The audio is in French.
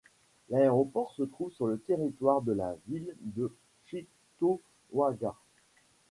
L'aéroport se trouve sur le territoire de la ville de Cheektowaga.